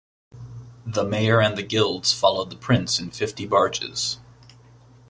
The mayor and the guilds followed the prince in fifty barges.